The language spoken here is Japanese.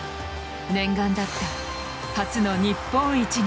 念願だった初の日本一に。